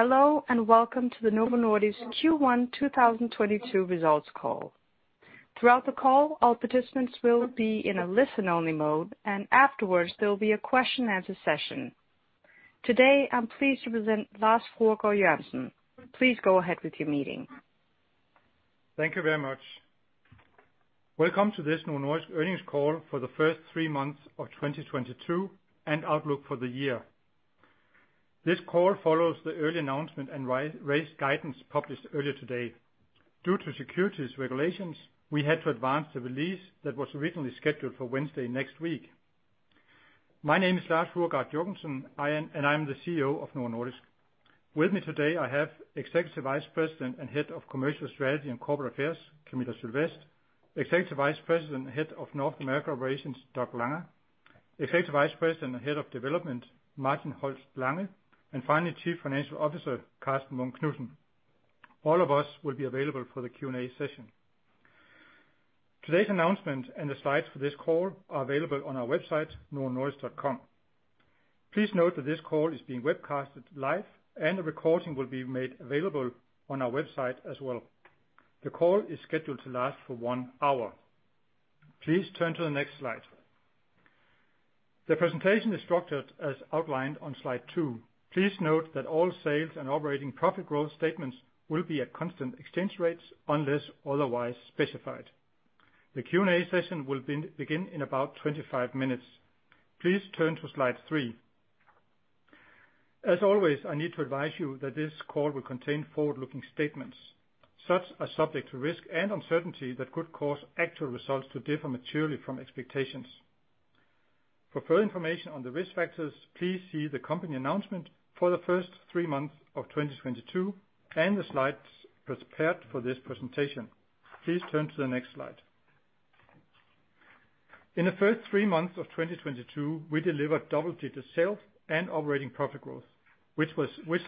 Hello, and welcome to the Novo Nordisk Q1 2022 results call. Throughout the call, all participants will be in a listen-only mode, and afterwards, there will be a question-and-answer session. Today, I'm pleased to present Lars Fruergaard Jørgensen. Please go ahead with your meeting. Thank you very much. Welcome to this Novo Nordisk earnings call for the first three months of 2022 and outlook for the year. This call follows the early announcement and raised guidance published earlier today. Due to securities regulations, we had to advance the release that was originally scheduled for Wednesday next week. My name is Lars Fruergaard Jørgensen, and I'm the CEO of Novo Nordisk. With me today, I have Executive Vice President and Head of Commercial Strategy and Corporate Affairs, Camilla Sylvest, Executive Vice President and Head of North America Operations, Doug Langa, Executive Vice President and Head of Development, Martin Holst Lange, and finally, Chief Financial Officer, Karsten Munk Knudsen. All of us will be available for the Q&A session. Today's announcement and the slides for this call are available on our website, novonordisk.com. Please note that this call is being webcasted live, and a recording will be made available on our website as well. The call is scheduled to last for 1 hour. Please turn to the next slide. The presentation is structured as outlined on slide 2. Please note that all sales and operating profit growth statements will be at constant exchange rates unless otherwise specified. The Q&A session will begin in about 25 minutes. Please turn to slide 3. As always, I need to advise you that this call will contain forward-looking statements, which are subject to risk and uncertainty that could cause actual results to differ materially from expectations. For further information on the risk factors, please see the company announcement for the first three months of 2022 and the slides prepared for this presentation. Please turn to the next slide. In the first three months of 2022, we delivered double-digit sales and operating profit growth, which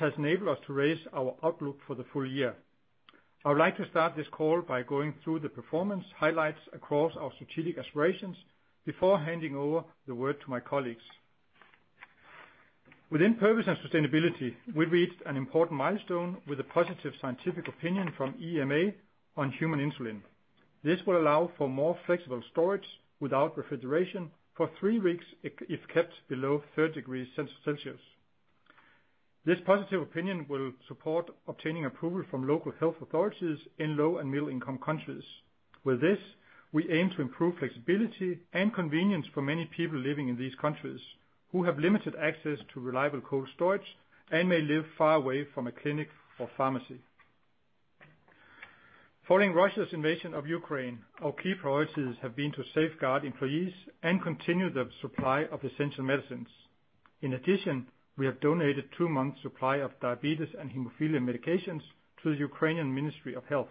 has enabled us to raise our outlook for the full year. I would like to start this call by going through the performance highlights across our strategic aspirations before handing over the word to my colleagues. Within purpose and sustainability, we've reached an important milestone with a positive scientific opinion from EMA on human insulin. This will allow for more flexible storage without refrigeration for three weeks if kept below 30 degrees Celsius. This positive opinion will support obtaining approval from local health authorities in low and middle-income countries. With this, we aim to improve flexibility and convenience for many people living in these countries who have limited access to reliable cold storage and may live far away from a clinic or pharmacy. Following Russia's invasion of Ukraine, our key priorities have been to safeguard employees and continue the supply of essential medicines. In addition, we have donated two months' supply of diabetes and hemophilia medications to the Ukrainian Ministry of Health.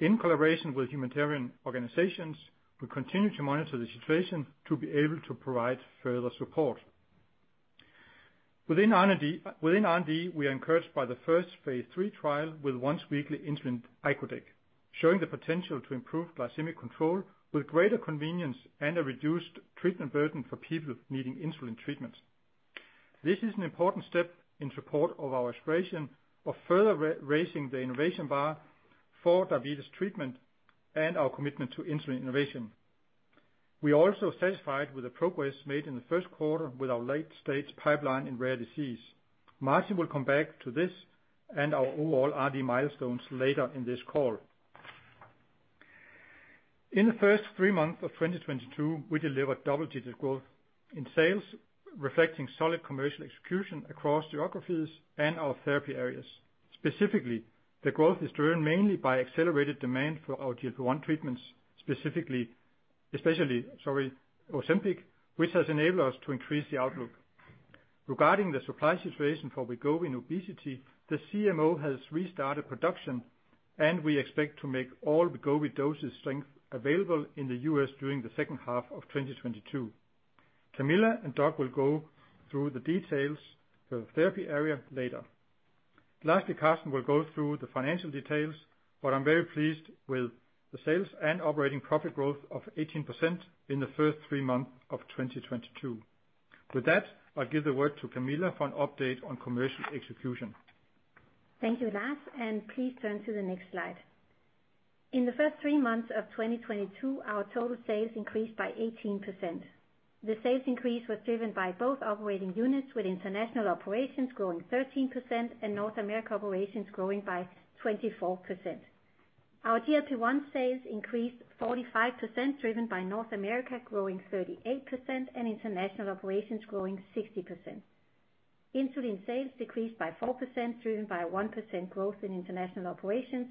In collaboration with humanitarian organizations, we continue to monitor the situation to be able to provide further support. Within R&D, we are encouraged by the first phase III trial with once-weekly insulin icodec, showing the potential to improve glycemic control with greater convenience and a reduced treatment burden for people needing insulin treatments. This is an important step in support of our aspiration of further raising the innovation bar for diabetes treatment and our commitment to insulin innovation. We are also satisfied with the progress made in the first quarter with our late-stage pipeline in rare disease. Martin will come back to this and our overall R&D milestones later in this call. In the first three months of 2022, we delivered double-digit growth in sales, reflecting solid commercial execution across geographies and our therapy areas. Specifically, the growth is driven mainly by accelerated demand for our GLP-1 treatments, especially Ozempic, which has enabled us to increase the outlook. Regarding the supply situation for Wegovy in obesity, the CMO has restarted production, and we expect to make all Wegovy dose strengths available in the U.S. during the second half of 2022. Camilla and Doug will go through the details for the therapy area later. Lastly, Karsten will go through the financial details, but I'm very pleased with the sales and operating profit growth of 18% in the first three months of 2022. With that, I'll give the word to Camilla for an update on commercial execution. Thank you, Lars, and please turn to the next slide. In the first three months of 2022, our total sales increased by 18%. The sales increase was driven by both operating units, with international operations growing 13% and North America operations growing by 24%. Our GLP-1 sales increased 45%, driven by North America growing 38% and international operations growing 60%. Insulin sales decreased by 4%, driven by a 1% growth in international operations,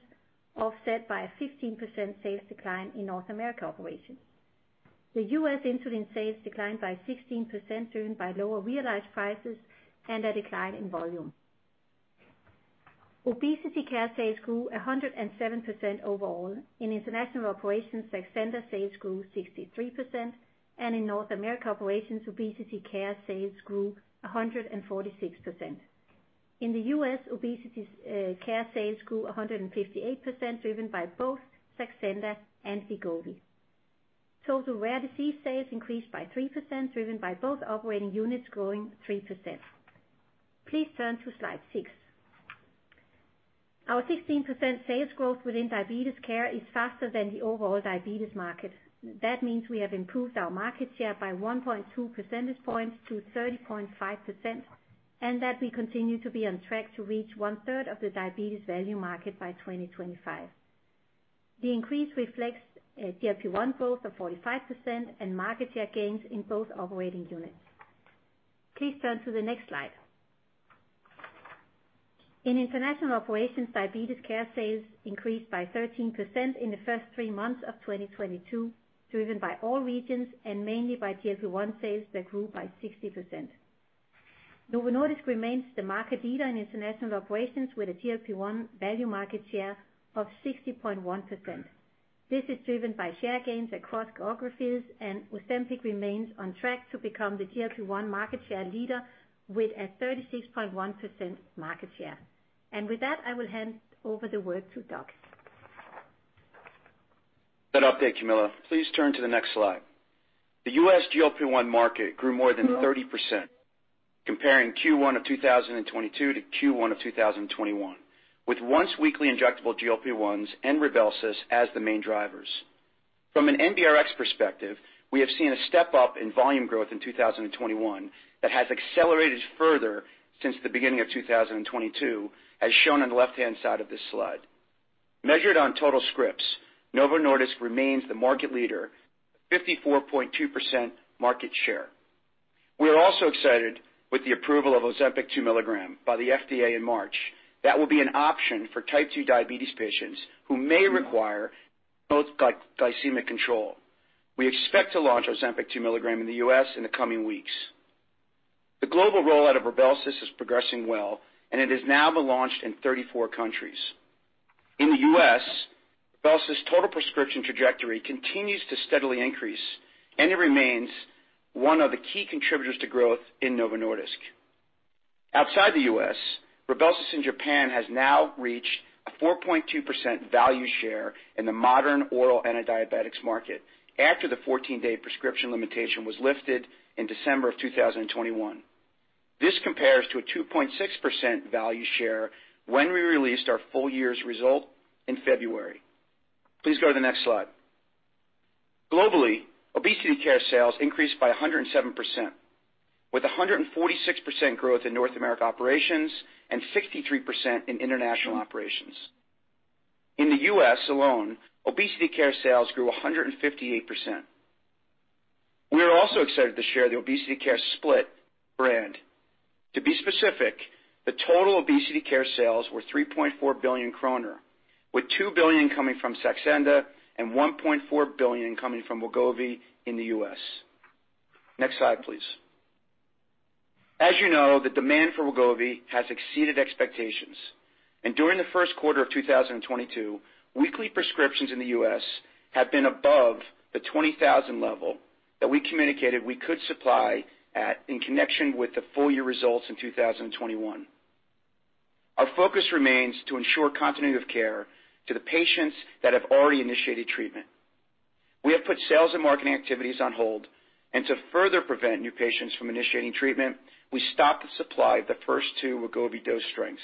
offset by a 15% sales decline in North America operations. The U.S. insulin sales declined by 16%, driven by lower realized prices and a decline in volume. Obesity care sales grew 107% overall. In international operations, Saxenda sales grew 63%, and in North America operations, obesity care sales grew 146%. In the U.S., obesity care sales grew 158%, driven by both Saxenda and Wegovy. Total rare disease sales increased by 3%, driven by both operating units growing 3%. Please turn to slide 6. Our 16% sales growth within diabetes care is faster than the overall diabetes market. That means we have improved our market share by 1.2 percentage points to 30.5%, and that we continue to be on track to reach 1/3 of the diabetes value market by 2025. The increase reflects GLP-1 growth of 45% and market share gains in both operating units. Please turn to the next slide. In international operations, diabetes care sales increased by 13% in the first 3 months of 2022, driven by all regions and mainly by GLP-1 sales that grew by 60%. Novo Nordisk remains the market leader in international operations with a GLP-1 value market share of 60.1%. This is driven by share gains across geographies, and Ozempic remains on track to become the GLP-1 market share leader with a 36.1% market share. With that, I will hand over the word to Doug. Good update, Camilla. Please turn to the next slide. The U.S. GLP-1 market grew more than 30%, comparing Q1 of 2022 to Q1 of 2021, with once-weekly injectable GLP-1s and Rybelsus as the main drivers. From an MBRX perspective, we have seen a step-up in volume growth in 2021 that has accelerated further since the beginning of 2022, as shown on the left-hand side of this slide. Measured on total scripts, Novo Nordisk remains the market leader, 54.2% market share. We are also excited with the approval of Ozempic 2 mg by the FDA in March. That will be an option for type 2 diabetes patients who may require better glycemic control. We expect to launch Ozempic 2 mg in the U.S. in the coming weeks. The global rollout of Rybelsus is progressing well, and it has now been launched in 34 countries. In the U.S., Rybelsus total prescription trajectory continues to steadily increase, and it remains one of the key contributors to growth in Novo Nordisk. Outside the U.S., Rybelsus in Japan has now reached a 4.2% value share in the modern oral antidiabetics market after the fourteen-day prescription limitation was lifted in December of 2021. This compares to a 2.6% value share when we released our full year's result in February. Please go to the next slide. Globally, obesity care sales increased by 107%, with 146% growth in North America operations and 63% in international operations. In the U.S. alone, obesity care sales grew 158%. We are also excited to share the obesity care split brand. To be specific, the total obesity care sales were 3.4 billion kroner, with 2 billion coming from Saxenda and 1.4 billion coming from Wegovy in the U.S. Next slide, please. As you know, the demand for Wegovy has exceeded expectations. During the first quarter of 2022, weekly prescriptions in the U.S. have been above the 20,000 level that we communicated we could supply at in connection with the full year results in 2021. Our focus remains to ensure continuity of care to the patients that have already initiated treatment. We have put sales and marketing activities on hold, and to further prevent new patients from initiating treatment, we stopped the supply of the first two Wegovy dose strengths,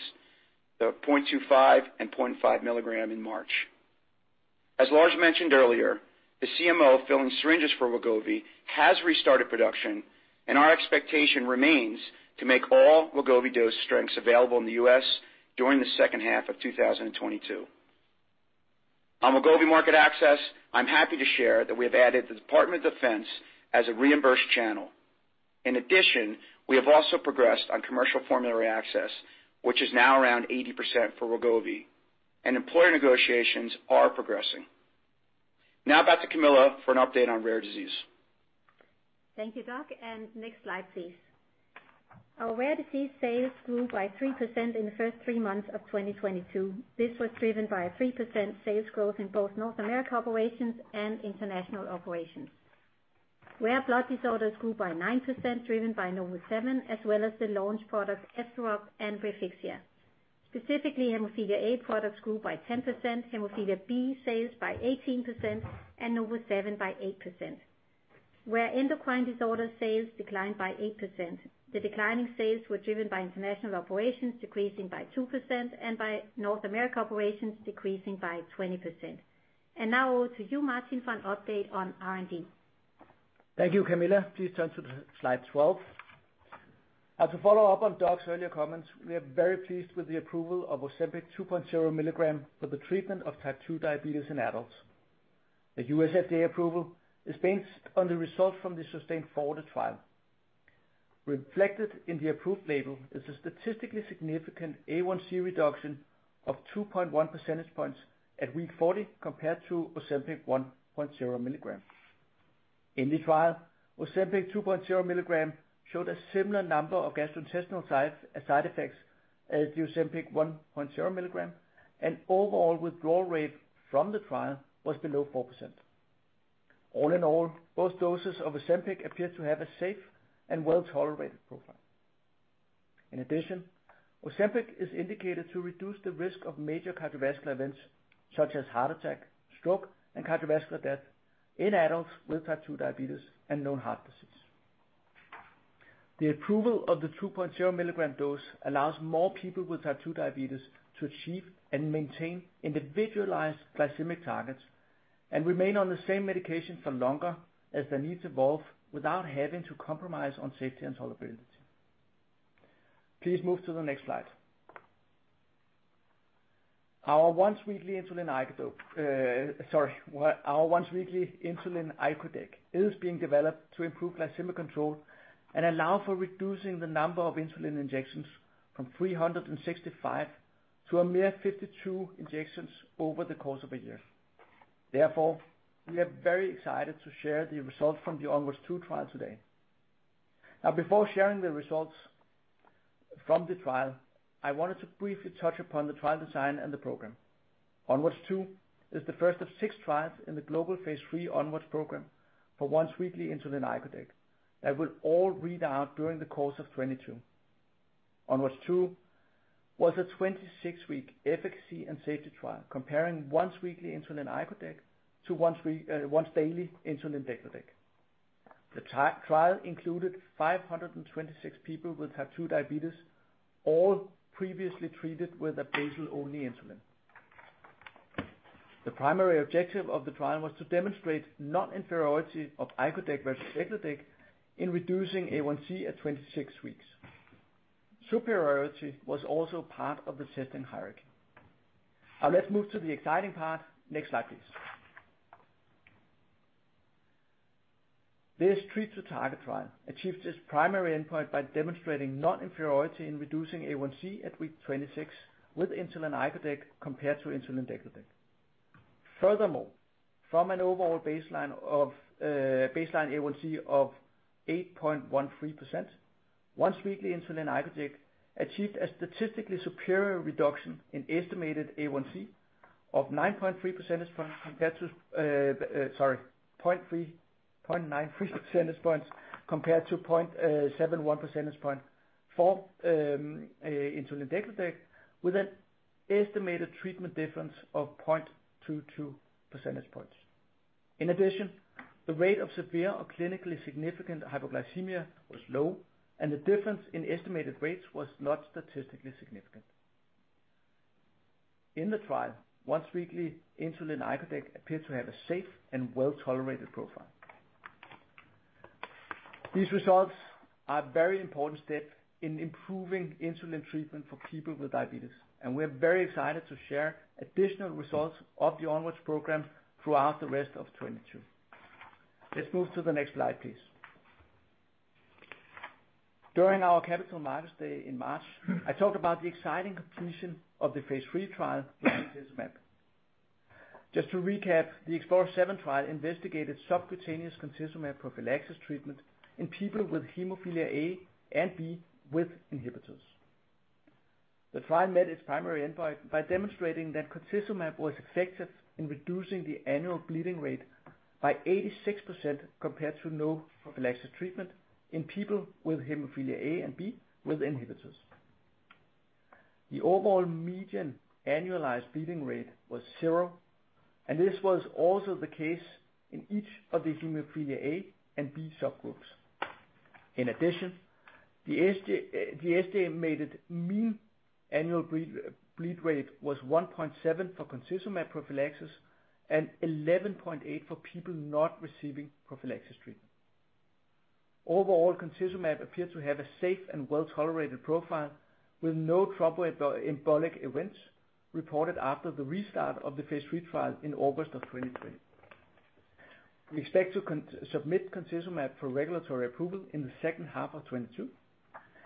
the 0.25 mg and 0.5 mg in March. As Lars mentioned earlier, the CMO filling syringes for Wegovy has restarted production, and our expectation remains to make all Wegovy dose strengths available in the U.S. during the second half of 2022. On Wegovy market access, I'm happy to share that we have added the Department of Defense as a reimbursed channel. In addition, we have also progressed on commercial formulary access, which is now around 80% for Wegovy, and employer negotiations are progressing. Now back to Camilla for an update on rare disease. Thank you, Doug, and next slide, please. Our rare disease sales grew by 3% in the first three months of 2022. This was driven by a 3% sales growth in both North America operations and international operations. Rare blood disorders grew by 9% driven by NovoSeven, as well as the launch products, Esperoct and Refixia. Specifically, hemophilia A products grew by 10%, hemophilia B sales by 18%, and NovoSeven by 8%. Rare endocrine disorder sales declined by 8%. The declining sales were driven by international operations decreasing by 2% and by North America operations decreasing by 20%. Now over to you, Martin, for an update on R&D. Thank you, Camilla. Please turn to slide 12. As a follow-up on Doc's earlier comments, we are very pleased with the approval of Ozempic 2.0 mg for the treatment of type 2 diabetes in adults. The U.S. FDA approval is based on the results from the SUSTAIN FORTE trial. Reflected in the approved label is a statistically significant A1c reduction of 2.1 percentage points at week 40 compared to Ozempic 1.0 mg. In this trial, Ozempic 2.0 mg showed a similar number of gastrointestinal side effects as the Ozempic 1.0 mg, and overall withdrawal rate from the trial was below 4%. All in all, both doses of Ozempic appear to have a safe and well-tolerated profile. In addition, Ozempic is indicated to reduce the risk of major cardiovascular events such as heart attack, stroke, and cardiovascular death in adults with type 2 diabetes and known heart disease. The approval of the 2.0 mg dose allows more people with type 2 diabetes to achieve and maintain individualized glycemic targets, and remain on the same medication for longer as their needs evolve without having to compromise on safety and tolerability. Please move to the next slide. Our once-weekly insulin icodec is being developed to improve glycemic control and allow for reducing the number of insulin injections from 365 to a mere 52 injections over the course of a year. Therefore, we are very excited to share the results from the ONWARDS 2 trial today. Now, before sharing the results from the trial, I wanted to briefly touch upon the trial design and the program. ONWARDS 2 is the first of six trials in the global phase III ONWARDS program for once-weekly insulin icodec that will all read out during the course of 2022. ONWARDS 2 was a 26-week efficacy and safety trial comparing once-weekly insulin icodec to once-daily insulin degludec. The trial included 526 people with type 2 diabetes, all previously treated with a basal only insulin. The primary objective of the trial was to demonstrate non-inferiority of icodec versus degludec in reducing A1c at 26 weeks. Superiority was also part of the testing hierarchy. Now, let's move to the exciting part. Next slide, please. This treat-to-target trial achieved its primary endpoint by demonstrating non-inferiority in reducing A1c at week 26 with insulin icodec compared to insulin degludec. Furthermore, from an overall baseline A1c of 8.13%, once-weekly insulin icodec achieved a statistically superior reduction in estimated A1c of 0.93 percentage points compared to 0.71 percentage point for insulin degludec, with an estimated treatment difference of 0.22 percentage points. In addition, the rate of severe or clinically significant hypoglycemia was low, and the difference in estimated rates was not statistically significant. In the trial, once-weekly insulin icodec appeared to have a safe and well-tolerated profile. These results are a very important step in improving insulin treatment for people with diabetes, and we're very excited to share additional results of the ONWARDS program throughout the rest of 2022. Let's move to the next slide, please. During our Capital Markets Day in March, I talked about the exciting completion of the phase III trial for concizumab. Just to recap, the EXPLORER7 trial investigated subcutaneous concizumab prophylaxis treatment in people with hemophilia A and B with inhibitors. The trial met its primary endpoint by demonstrating that concizumab was effective in reducing the annual bleeding rate by 86% compared to no prophylaxis treatment in people with hemophilia A and B with inhibitors. The overall median annualized bleeding rate was 0%, and this was also the case in each of the hemophilia A and B subgroups. In addition, the estimated mean annual bleeding rate was 1.7% for concizumab prophylaxis and 11.8% for people not receiving prophylaxis treatment. Overall, concizumab appeared to have a safe and well-tolerated profile, with no thromboembolic events reported after the restart of the phase III trial in August of 2023. We expect to submit concizumab for regulatory approval in the second half of 2022,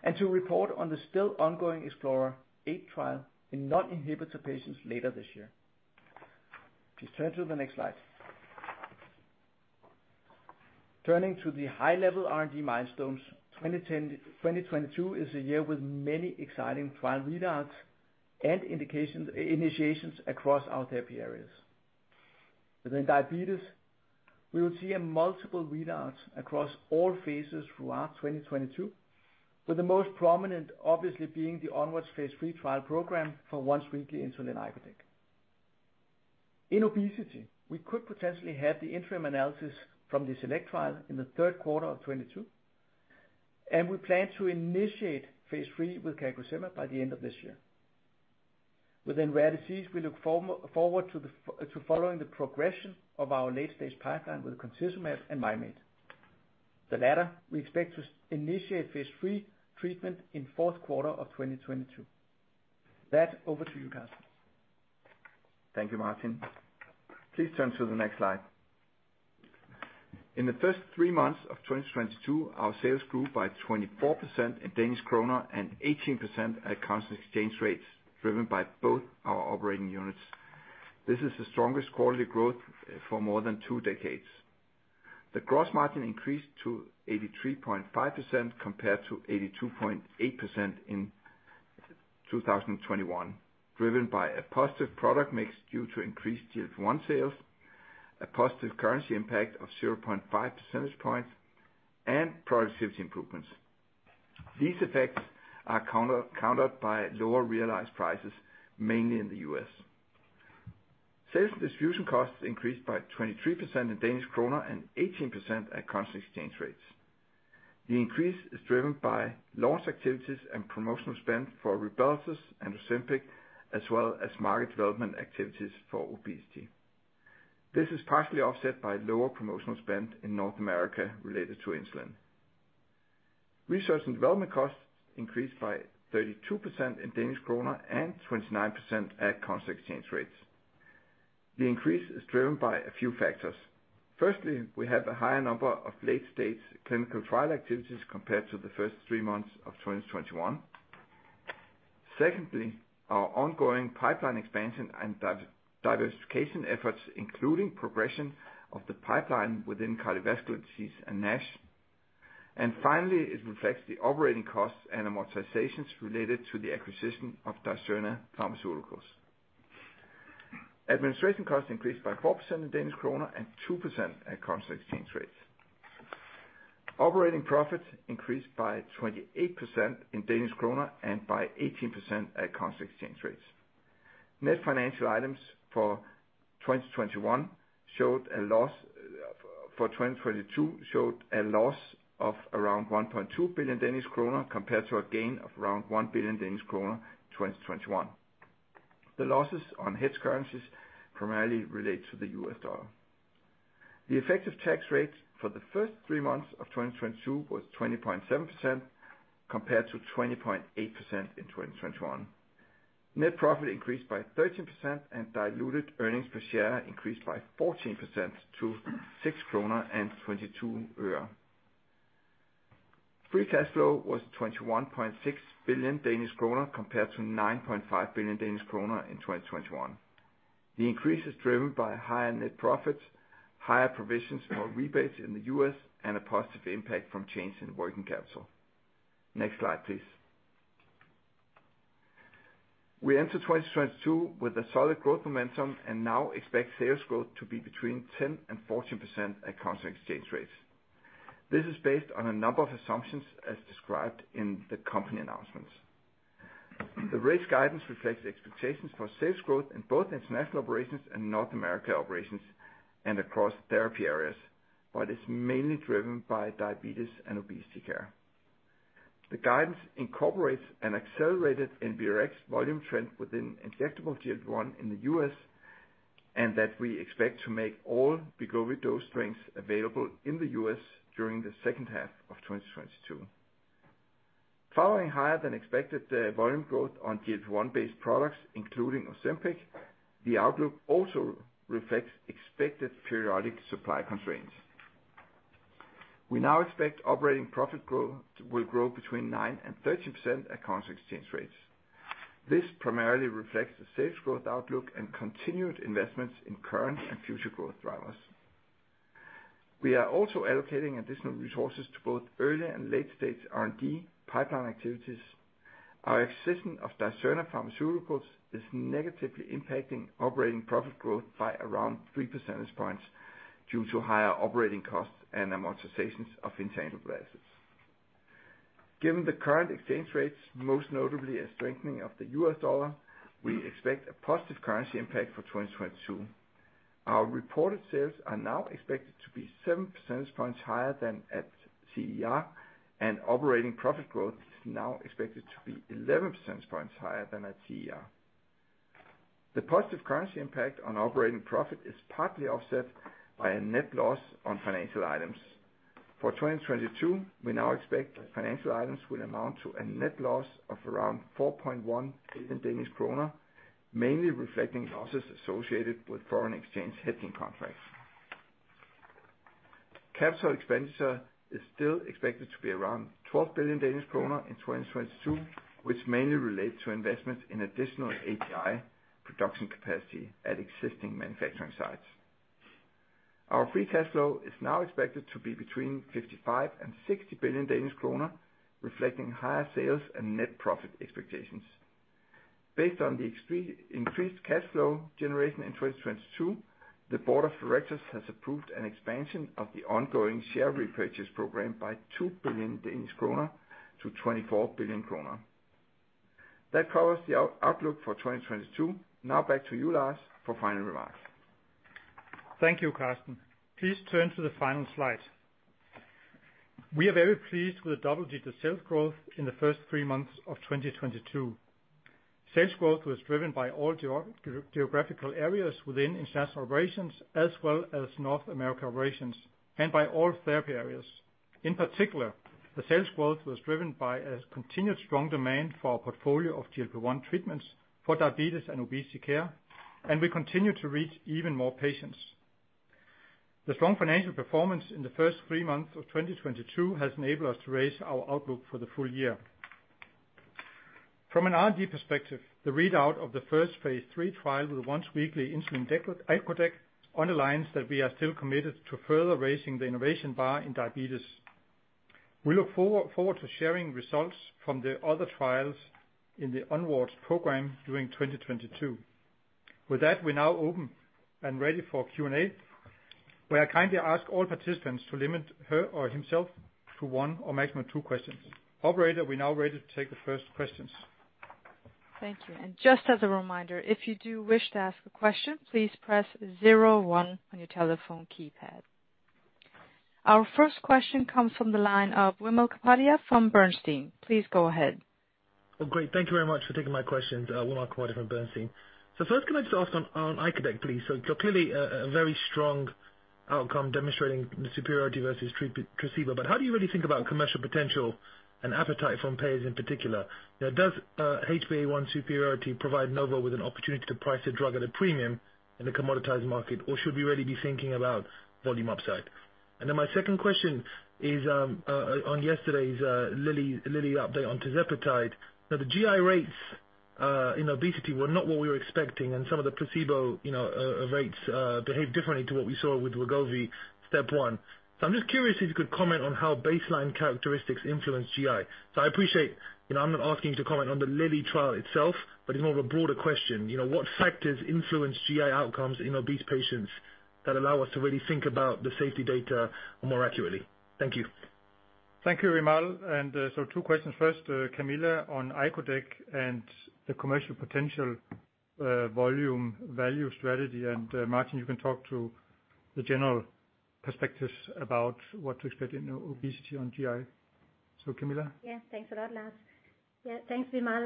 and to report on the still ongoing EXPLORER8 trial in non-inhibitor patients later this year. Please turn to the next slide. Turning to the high-level R&D milestones, 2022 is a year with many exciting trial readouts and indications, initiations across our therapy areas. Within diabetes, we will see multiple readouts across all phases throughout 2022, with the most prominent obviously being the ONWARDS phase III trial program for once-weekly insulin icodec. In obesity, we could potentially have the interim analysis from the SELECT trial in the third quarter of 2022, and we plan to initiate phase III with CagriSema by the end of this year. Within rare disease, we look forward to following the progression of our late stage pipeline with concizumab and Mim8. The latter, we expect to initiate phase III treatment in fourth quarter of 2022. With that, over to you, Karsten. Thank you, Martin. Please turn to the next slide. In the first three months of 2022, our sales grew by 24% in Danish kroner and 18% at constant exchange rates, driven by both our operating units. This is the strongest quarterly growth for more than two decades. The gross margin increased to 83.5% compared to 82.8% in 2021. Driven by a positive product mix due to increased GLP-1 sales, a positive currency impact of 0.5 percentage points, and productivity improvements. These effects are countered by lower realized prices, mainly in the U.S. Sales and distribution costs increased by 23% in Danish kroner and 18% at constant exchange rates. The increase is driven by launch activities and promotional spend for Rybelsus and Ozempic, as well as market development activities for obesity. This is partially offset by lower promotional spend in North America related to insulin. Research and development costs increased by 32% in Danish kroner and 29% at constant exchange rates. The increase is driven by a few factors. Firstly, we have a higher number of late-stage clinical trial activities compared to the first three months of 2021. Secondly, our ongoing pipeline expansion and diversification efforts, including progression of the pipeline within cardiovascular disease and NASH. Finally, it reflects the operating costs and amortizations related to the acquisition of Dicerna Pharmaceuticals. Administration costs increased by 4% in Danish kroner and 2% at constant exchange rates. Operating profits increased by 28% in Danish kroner and by 18% at constant exchange rates. Net financial items for 2021 showed a loss. for 2022 showed a loss of around 1.2 billion Danish kroner compared to a gain of around 1 billion Danish kroner in 2021. The losses on hedge currencies primarily relate to the U.S. dollar. The effective tax rate for the first three months of 2022 was 20.7%, compared to 20.8% in 2021. Net profit increased by 13% and diluted earnings per share increased by 14% to DKK 6.22. Free cash flow was 21.6 billion Danish kroner compared to 9.5 billion Danish kroner in 2021. The increase is driven by higher net profits, higher provisions for rebates in the U.S., and a positive impact from changes in working capital. Next slide, please. We enter 2022 with a solid growth momentum and now expect sales growth to be between 10% and 14% at constant exchange rates. This is based on a number of assumptions as described in the company announcements. The rate guidance reflects the expectations for sales growth in both international operations and North America operations, and across therapy areas, but is mainly driven by diabetes and obesity care. The guidance incorporates an accelerated in NBRx volume trend within injectable GLP-1 in the U.S., and that we expect to make all Wegovy dose strengths available in the U.S. during the second half of 2022. Following higher than expected, volume growth on GLP-1 based products, including Ozempic, the outlook also reflects expected periodic supply constraints. We now expect operating profit growth will grow between 9% and 13% at constant exchange rates. This primarily reflects the sales growth outlook and continued investments in current and future growth drivers. We are also allocating additional resources to both early and late stage R&D pipeline activities. Our acquisition of Dicerna Pharmaceuticals is negatively impacting operating profit growth by around 3 percentage points due to higher operating costs and amortizations of intangible assets. Given the current exchange rates, most notably a strengthening of the U.S. dollar, we expect a positive currency impact for 2022. Our reported sales are now expected to be 7 percentage points higher than at CER, and operating profit growth is now expected to be 11 percentage points higher than at CER. The positive currency impact on operating profit is partly offset by a net loss on financial items. For 2022, we now expect financial items will amount to a net loss of around 4.1 billion Danish kroner, mainly reflecting losses associated with foreign exchange hedging contracts. Capital expenditure is still expected to be around 12 billion Danish kroner in 2022, which mainly relate to investments in additional API production capacity at existing manufacturing sites. Our free cash flow is now expected to be between 55 billion and 60 billion Danish kroner, reflecting higher sales and net profit expectations. Based on the extreme increased cash flow generation in 2022, the board of directors has approved an expansion of the ongoing share repurchase program by 2 billion-24 billion Danish kroner. That covers the outlook for 2022. Now back to you, Lars, for final remarks. Thank you, Karsten. Please turn to the final slide. We are very pleased with the double-digit sales growth in the first 3 months of 2022. Sales growth was driven by all geographical areas within international operations as well as North America operations, and by all therapy areas. In particular, the sales growth was driven by a continued strong demand for our portfolio of GLP-1 treatments for diabetes and obesity care, and we continue to reach even more patients. The strong financial performance in the first 3 months of 2022 has enabled us to raise our outlook for the full year. From an R&D perspective, the readout of the first phase III trial with once-weekly insulin icodec, along the lines that we are still committed to further raising the innovation bar in diabetes. We look forward to sharing results from the other trials in the ONWARD program during 2022. With that, we're now open and ready for Q&A, where I kindly ask all participants to limit her or himself to one or maximum two questions. Operator, we're now ready to take the first questions. Thank you. Just as a reminder, if you do wish to ask a question, please press zero one on your telephone keypad. Our first question comes from the line of Wimal Kapadia from Bernstein. Please go ahead. Well, great. Thank you very much for taking my questions. Wimal Kapadia from Bernstein. First can I just ask on icodec, please? Clearly a very strong outcome demonstrating the superiority versus placebo. But how do you really think about commercial potential and appetite from payers in particular? Does HbA1c superiority provide Novo with an opportunity to price a drug at a premium in a commoditized market? Or should we really be thinking about volume upside? My second question is on yesterday's Lilly update on tirzepatide. The GI rates in obesity were not what we were expecting, and some of the placebo, you know, rates behaved differently to what we saw with Wegovy STEP 1. I'm just curious if you could comment on how baseline characteristics influence GI. I appreciate, you know, I'm not asking you to comment on the Lilly trial itself, but it's more of a broader question. You know, what factors influence GI outcomes in obese patients that allow us to really think about the safety data more accurately? Thank you. Thank you, Wimal. Two questions. First, Camilla on icodec and the commercial potential, volume, value strategy. Martin, you can talk to the general perspectives about what to expect in obesity on GI. Camilla. Yes. Thanks a lot, Lars. Yeah, thanks, Wimal.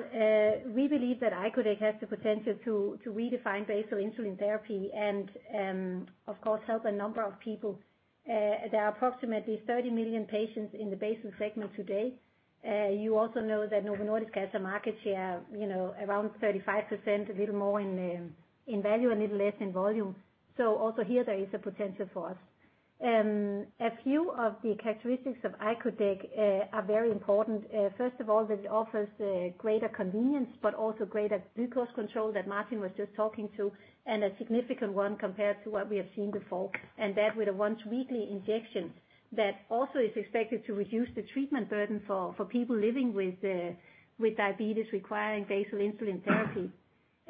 We believe that icodec has the potential to redefine basal insulin therapy and of course help a number of people. There are approximately 30 million patients in the basal segment today. You also know that Novo Nordisk has a market share, you know, around 35%, a little more in value, a little less in volume. Also here there is a potential for us. A few of the characteristics of icodec are very important. First of all, that it offers a greater convenience, but also greater glucose control that Martin was just talking about, and a significant one compared to what we have seen before. That with a once-weekly injection that also is expected to reduce the treatment burden for people living with diabetes requiring basal insulin therapy.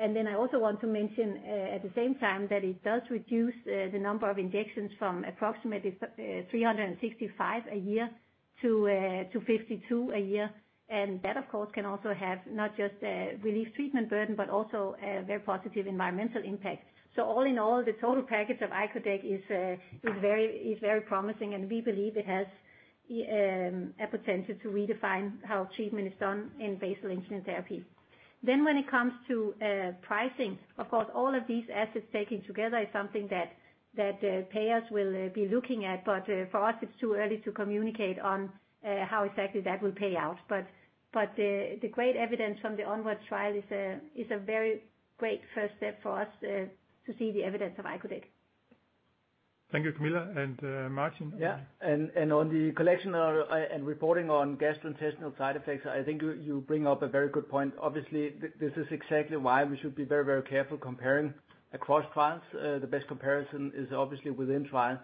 I also want to mention at the same time that it does reduce the number of injections from approximately 365 a year to 52 a year. That, of course, can also have not just a relief treatment burden, but also a very positive environmental impact. All in all, the total package of icodec is very promising, and we believe it has a potential to redefine how treatment is done in basal insulin therapy. When it comes to pricing, of course, all of these assets taken together is something that payers will be looking at. For us it's too early to communicate on how exactly that will play out. The great evidence from the ONWARD trial is a very great first step for us to see the evidence of icodec. Thank you, Camilla. Martin? Yeah. On the collection and reporting on gastrointestinal side effects, I think you bring up a very good point. Obviously, this is exactly why we should be very, very careful comparing across trials. The best comparison is obviously within trial,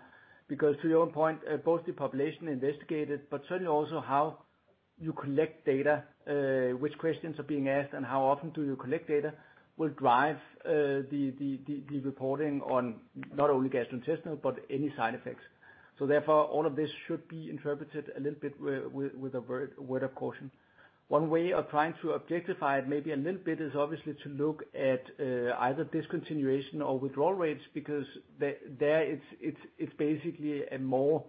because to your point, both the population investigated, but certainly also how you collect data, which questions are being asked and how often do you collect data, will drive the reporting on not only gastrointestinal but any side effects. Therefore, all of this should be interpreted a little bit with a word of caution. One way of trying to objectify it maybe a little bit is obviously to look at either discontinuation or withdrawal rates, because there it's basically a more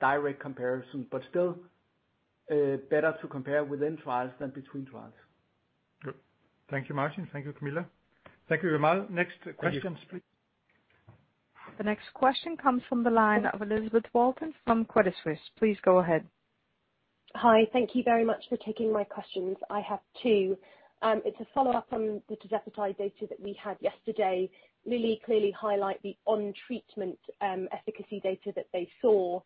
direct comparison, but still better to compare within trials than between trials. Good. Thank you, Martin. Thank you, Camilla. Thank you very much. Next questions, please. The next question comes from the line of Elizabeth Walton from Credit Suisse. Please go ahead. Hi. Thank you very much for taking my questions. I have two. It's a follow-up on the tirzepatide data that we had yesterday. Lilly clearly highlight the on-treatment efficacy data that they saw.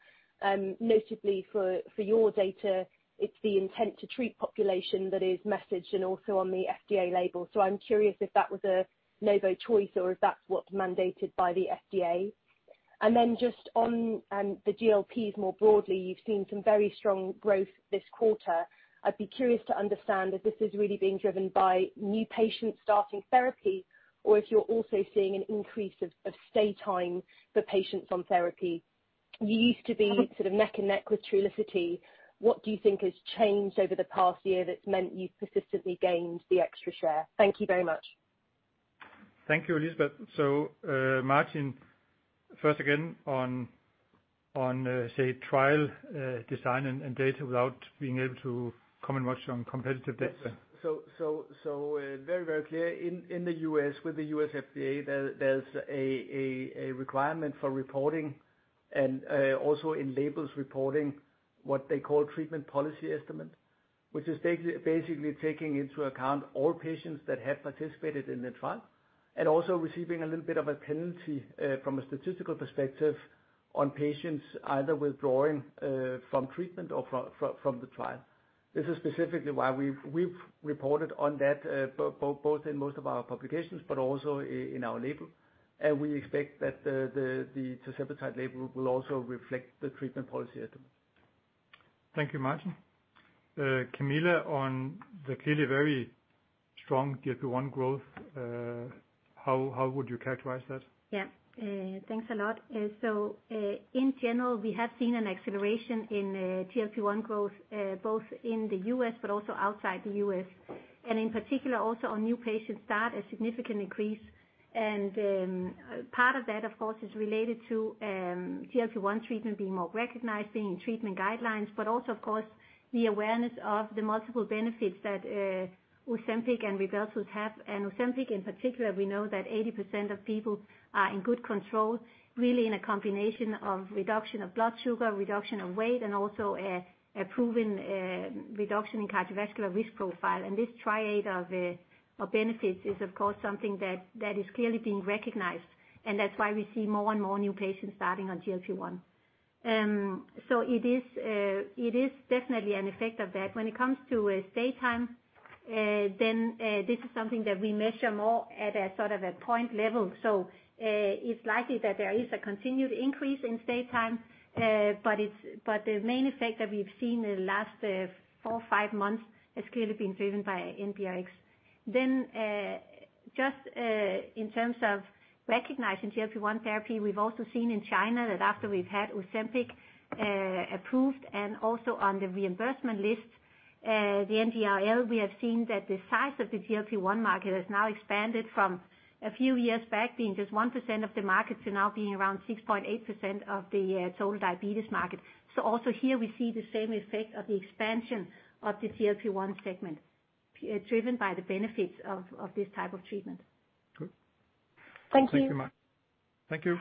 Notably for your data, it's the intent to treat population that is messaged and also on the FDA label. I'm curious if that was a Novo choice or if that's what's mandated by the FDA. Just on the GLPs more broadly, you've seen some very strong growth this quarter. I'd be curious to understand if this is really being driven by new patients starting therapy, or if you're also seeing an increase of stay time for patients on therapy. You used to be sort of neck and neck with Trulicity. What do you think has changed over the past year that's meant you've persistently gained the extra share? Thank you very much. Thank you, Elizabeth. Martin, first again on say trial design and data without being able to comment much on competitive data. Very clear. In the U.S., with the U.S. FDA, there's a requirement for reporting and also in labels reporting what they call treatment policy estimate, which is basically taking into account all patients that have participated in the trial and also receiving a little bit of a penalty from a statistical perspective on patients either withdrawing from treatment or from the trial. This is specifically why we've reported on that, both in most of our publications, but also in our label. We expect that the tirzepatide label will also reflect the treatment policy items. Thank you, Martin. Camilla, on the clearly very strong GLP-1 growth, how would you characterize that? Yeah. Thanks a lot. In general, we have seen an acceleration in GLP-1 growth, both in the U.S. but also outside the U.S., and in particular also on new patient start, a significant increase. Part of that, of course, is related to GLP-1 treatment being more recognized in treatment guidelines, but also of course the awareness of the multiple benefits that Ozempic and Rybelsus have. Ozempic in particular, we know that 80% of people are in good control, really in a combination of reduction of blood sugar, reduction of weight, and also a proven reduction in cardiovascular risk profile. This triad of benefits is, of course, something that is clearly being recognized, and that's why we see more and more new patients starting on GLP-1. It is definitely an effect of that. When it comes to stay time, this is something that we measure more at a sort of a point level. It's likely that there is a continued increase in stay time. The main effect that we've seen in the last 4-5 months has clearly been driven by NBRx. Just in terms of recognizing GLP-1 therapy, we've also seen in China that after we've had Ozempic approved and also on the reimbursement list, the NDRL, we have seen that the size of the GLP-1 market has now expanded from a few years back being just 1% of the market to now being around 6.8% of the total diabetes market. Also here we see the same effect of the expansion of the GLP-1 segment driven by the benefits of this type of treatment. Good. Thank you. Thank you.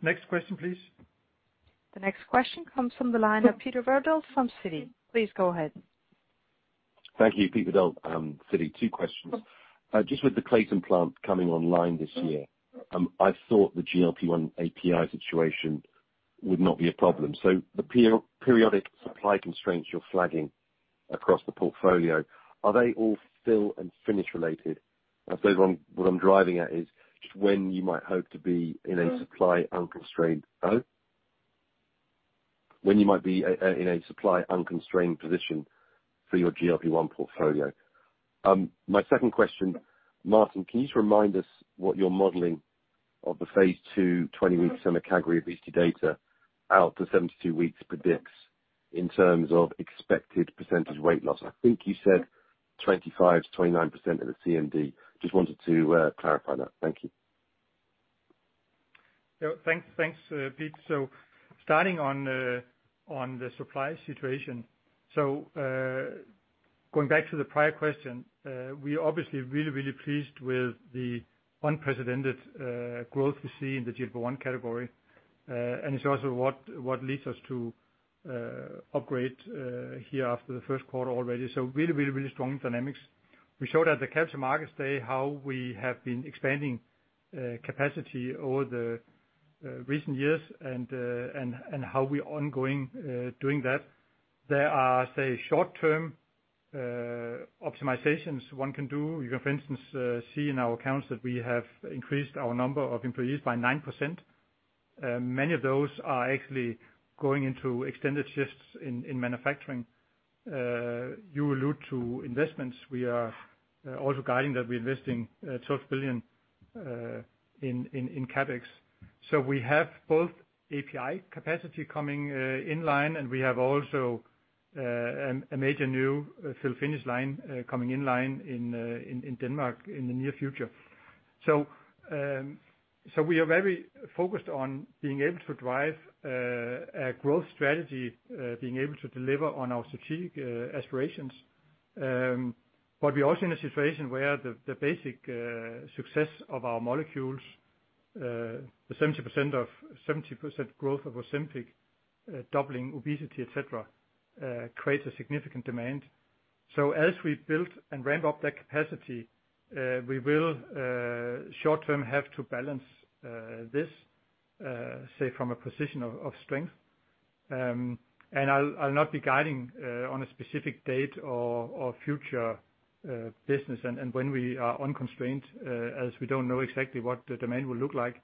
Next question, please. The next question comes from the line of Peter Verdult from Citi. Please go ahead. Thank you. Peter Verdult, Citi. 2 questions. Just with the Clayton plant coming online this year, I thought the GLP-1 API situation would not be a problem. The periodic supply constraints you're flagging across the portfolio, are they all fill and finish related? I suppose what I'm driving at is just when you might hope to be in a supply unconstrained position for your GLP-1 portfolio. My second question, Martin, can you just remind us what your modeling of the phase II 20-week semaglutide obesity data out to 72 weeks predicts in terms of expected percentage weight loss? I think you said 25%-29% at the CMD. Just wanted to clarify that. Thank you. Yeah. Thanks. Thanks, Pete. Starting on the supply situation, going back to the prior question, we're obviously really pleased with the unprecedented growth we see in the GLP-1 category. It's also what leads us to upgrade here after the first quarter already. Really strong dynamics. We showed at the Capital Markets Day how we have been expanding capacity over the recent years and how we are ongoing doing that. There are, say, short-term optimizations one can do. You can, for instance, see in our accounts that we have increased our number of employees by 9%. Many of those are actually going into extended shifts in manufacturing. You allude to investments. We are also guiding that we're investing 12 billion in CapEx. We have both API capacity coming in line, and we have also a major new fill-finish line coming in line in Denmark in the near future. We are very focused on being able to drive a growth strategy, being able to deliver on our strategic aspirations. We're also in a situation where the basic success of our molecules, the 70% growth of Ozempic, doubling obesity, et cetera, creates a significant demand. As we build and ramp up that capacity, we will, short term, have to balance this, say, from a position of strength. I'll not be guiding on a specific date or future business and when we are unconstrained, as we don't know exactly what the demand will look like.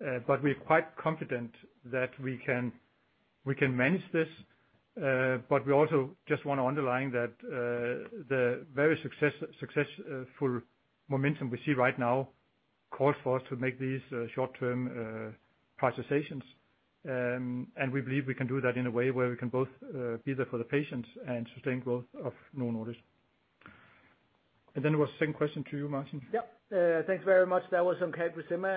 We're quite confident that we can manage this. We also just wanna underline that the very successful momentum we see right now call for us to make these short-term prioritizations. We believe we can do that in a way where we can both be there for the patients and sustain growth of Novo Nordisk. Then there was a second question to you, Martin. Yeah. Thanks very much. That was on CagriSema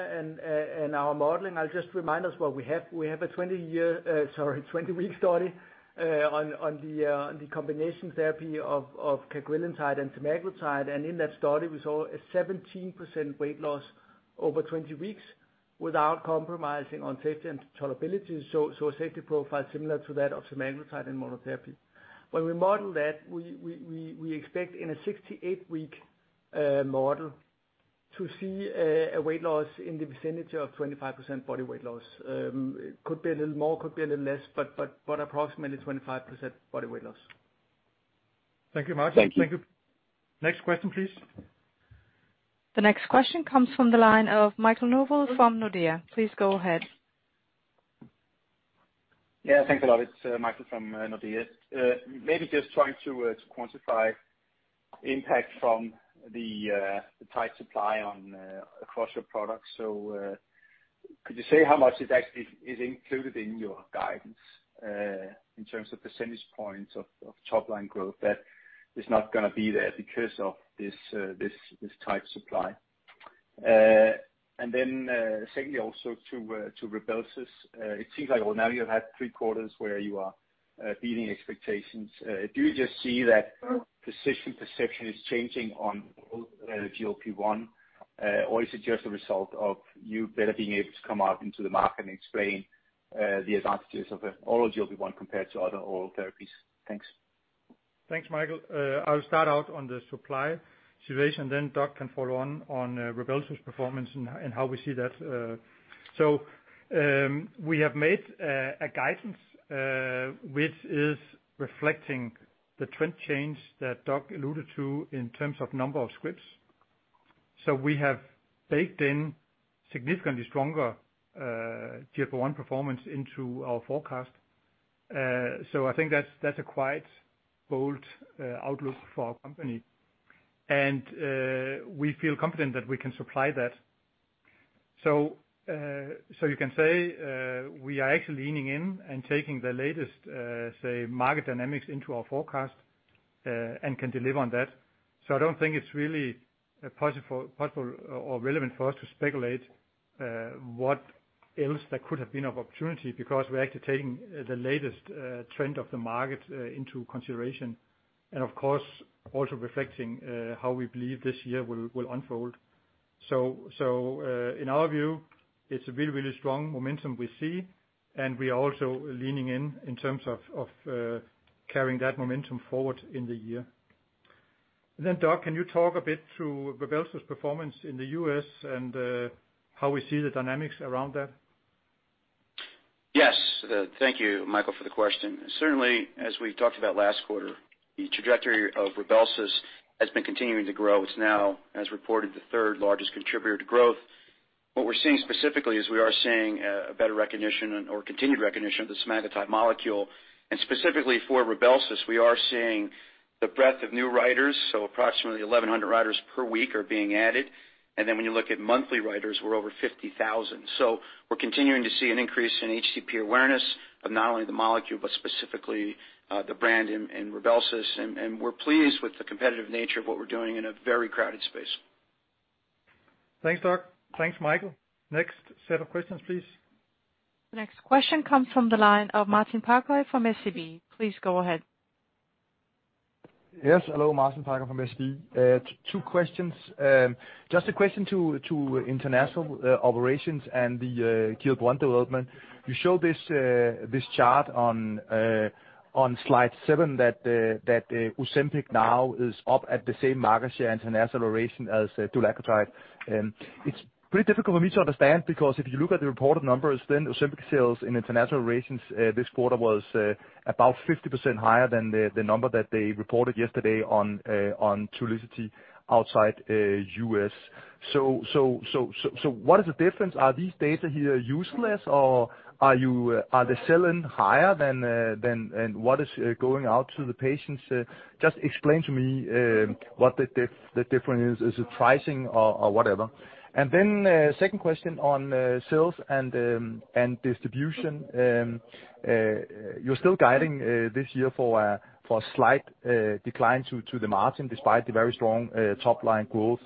and our modeling. I'll just remind us what we have. We have a 20-week study on the combination therapy of cagrilintide and semaglutide. In that study, we saw a 17% weight loss over 20 weeks without compromising on safety and tolerability, so a safety profile similar to that of semaglutide in monotherapy. When we model that, we expect in a 68-week model to see a weight loss in the vicinity of 25% body weight loss. It could be a little more, could be a little less, but approximately 25% body weight loss. Thank you, Martin. Thank you. Thank you. Next question, please. The next question comes from the line of Michael Novod from Nordea. Please go ahead. Yeah, thanks a lot. It's Michael from Nordea. Maybe just trying to quantify impact from the tight supply across your products. Could you say how much it actually is included in your guidance in terms of percentage points of top line growth that is not gonna be there because of this tight supply? And then, secondly, also to Rybelsus, it seems like well now you've had three quarters where you are beating expectations. Do you just see that physician perception is changing on oral GLP-1? Or is it just a result of you better being able to come out into the market and explain the advantages of oral GLP-1 compared to other oral therapies? Thanks. Thanks, Michael. I'll start out on the supply situation, then Doug can follow on Rybelsus performance and how we see that. We have made our guidance which is reflecting the trend change that Doug alluded to in terms of number of scripts. We have baked in significantly stronger GLP-1 performance into our forecast. I think that's a quite bold outlook for our company. We feel confident that we can supply that. You can say we are actually leaning in and taking the latest, say, market dynamics into our forecast and can deliver on that. I don't think it's really possible or relevant for us to speculate what else there could have been of opportunity because we're actually taking the latest trend of the market into consideration. Of course, also reflecting how we believe this year will unfold. In our view, it's a really strong momentum we see, and we are also leaning in in terms of carrying that momentum forward in the year. Doug, can you talk a bit to Rybelsus performance in the U.S. and how we see the dynamics around that? Yes. Thank you, Michael, for the question. Certainly, as we talked about last quarter, the trajectory of Rybelsus has been continuing to grow. It's now, as reported, the third largest contributor to growth. What we're seeing specifically is we are seeing a better recognition or continued recognition of the semaglutide molecule. Specifically for Rybelsus, we are seeing the breadth of new writers, so approximately 1,100 writers per week are being added. Then when you look at monthly writers, we're over 50,000. We're continuing to see an increase in HCP awareness of not only the molecule, but specifically the brand in Rybelsus. We're pleased with the competitive nature of what we're doing in a very crowded space. Thanks, Doug. Thanks, Michael. Next set of questions, please. The next question comes from the line of Martin Parkhøi from SEB. Please go ahead. Yes. Hello, Martin Parkhøi from SEB. 2 questions. Just a question to international operations and the GLP-1 development. You showed this chart on slide 7 that Ozempic now is up at the same market share international operation as dulaglutide. It's pretty difficult for me to understand, because if you look at the reported numbers, then Ozempic sales in international regions this quarter was about 50% higher than the number that they reported yesterday on Trulicity outside U.S. So what is the difference? Are these data here useless, or are they selling higher than what is going out to the patients? Just explain to me what the difference is. Is it pricing or whatever? Second question on sales and distribution. You're still guiding this year for a slight decline in the margin despite the very strong top line growth.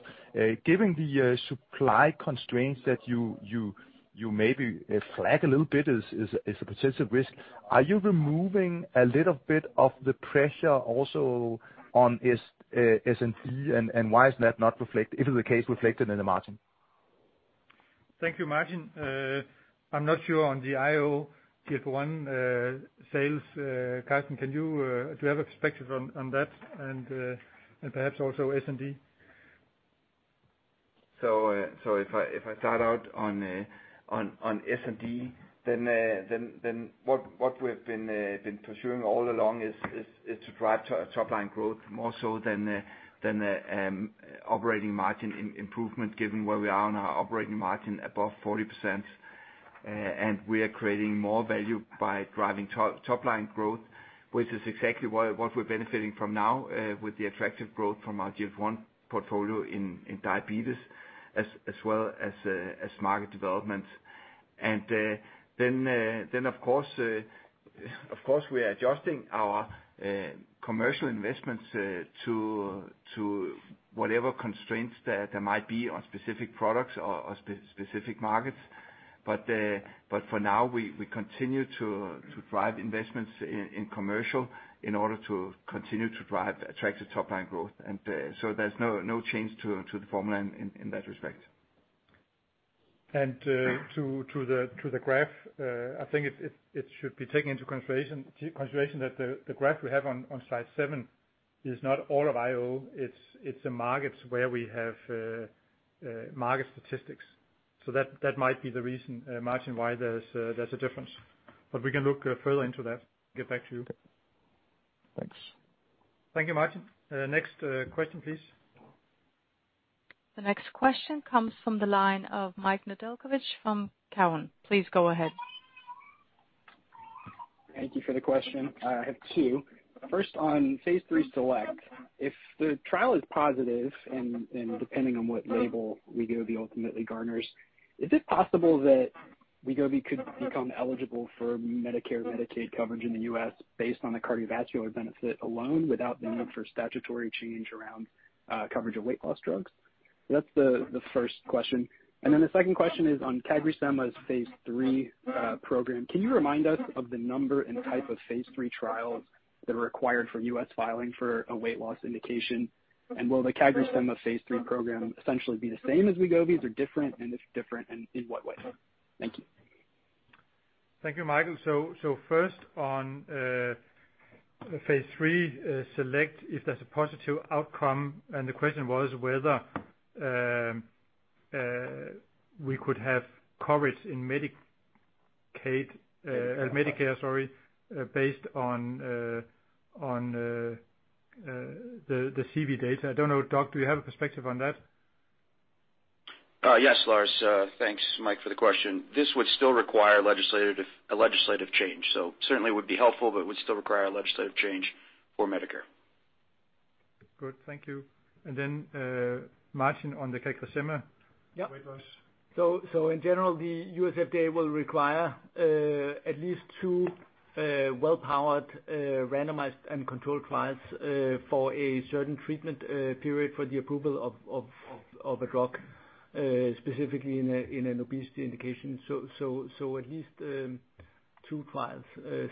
Given the supply constraints that you maybe flag a little bit as a potential risk, are you removing a little bit of the pressure also on SG&A? Why is that not reflected in the margin if it's the case? Thank you, Martin. I'm not sure on the oral GLP-1 sales. Karsten, do you have a perspective on that and perhaps also S&D? If I start out on S&D, then what we've been pursuing all along is to drive top line growth more so than operating margin improvement, given where we are on our operating margin above 40%. We are creating more value by driving top line growth, which is exactly what we're benefiting from now, with the attractive growth from our GLP-1 portfolio in diabetes, as well as market development. Of course, we are adjusting our commercial investments to whatever constraints there might be on specific products or specific markets. For now, we continue to drive investments in commercial in order to continue to drive attractive top line growth. There's no change to the formula in that respect. To the graph, I think it should be taken into consideration that the graph we have on slide 7 is not all of IO. It's the markets where we have market statistics. So that might be the reason, Martin, why there's a difference. We can look further into that, get back to you. Thanks. Thank you, Martin. Next, question, please. The next question comes from the line of Mike Nedelcovych from Cowen. Please go ahead. Thank you for the question. I have two. First, on phase III SELECT, if the trial is positive and depending on what label Wegovy ultimately garners, is it possible that Wegovy could become eligible for Medicare/Medicaid coverage in the U.S. based on the cardiovascular benefit alone without the need for statutory change around coverage of weight loss drugs? That's the first question. The second question is on CagriSema's phase III program. Can you remind us of the number and type of phase III trials that are required for U.S. filing for a weight loss indication? And will the CagriSema phase III program essentially be the same as Wegovy's, or different, and if different, in what way? Thank you. Thank you, Michael. First on phase III SELECT if there's a positive outcome, and the question was whether we could have coverage in Medicaid, Medicare, sorry, based on the CV data. I don't know, Doug, do you have a perspective on that? Yes, Lars. Thanks, Mike, for the question. This would still require a legislative change, so certainly would be helpful but would still require a legislative change for Medicare. Good. Thank you. Martin, on the CagriSema. Yeah. weight loss. In general, the U.S. FDA will require at least two well-powered randomized and controlled trials for a certain treatment period for the approval of a drug, specifically in an obesity indication. At least two trials.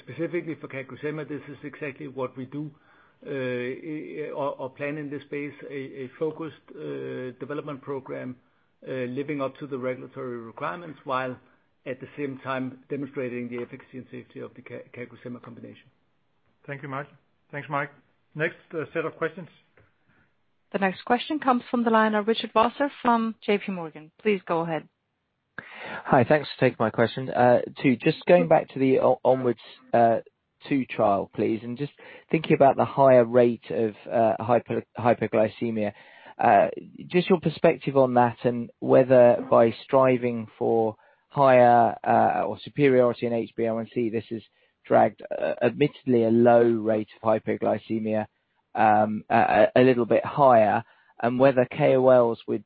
Specifically for CagriSema, this is exactly what we do or plan in this space, a focused development program living up to the regulatory requirements while at the same time demonstrating the efficacy and safety of the CagriSema combination. Thank you, Martin. Thanks, Mike. Next set of questions. The next question comes from the line of Richard Vosser from JP Morgan. Please go ahead. Hi. Thanks for taking my question. Too, just going back to the ONWARDS 2 trial, please, and just thinking about the higher rate of hyperglycemia, just your perspective on that and whether by striving for higher or superiority in HbA1c, this has dragged, admittedly, a low rate of hyperglycemia a little bit higher, and whether KOLs would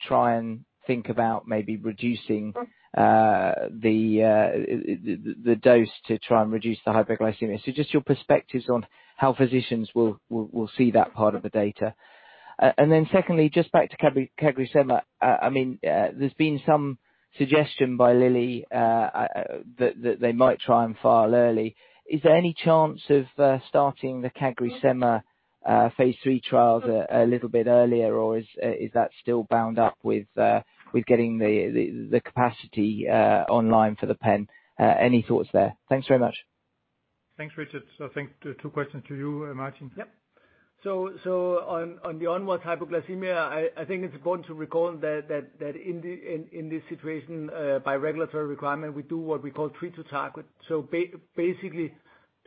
try and think about maybe reducing the dose to try and reduce the hyperglycemia. Just your perspectives on how physicians will see that part of the data. Secondly, just back to CagriSema. I mean, there's been some suggestion by Lilly that they might try and file early. Is there any chance of starting the CagriSema phase III trials a little bit earlier, or is that still bound up with getting the capacity online for the pen? Any thoughts there? Thanks very much. Thanks, Richard. I think the 2 questions to you, Martin. Yep. On the ONWARDS hypoglycemia, I think it's important to recall that in this situation, by regulatory requirement, we do what we call treat to target. Basically,